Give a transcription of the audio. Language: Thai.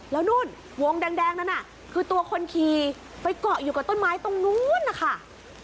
แล้วนู่นวงแดงนั้นน่ะคือตัวคนขี่ไปเกาะอยู่กับต้นไม้ตรงนู้นนะคะ